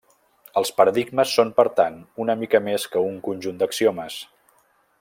Els paradigmes són, per tant, una mica més que un conjunt d'axiomes.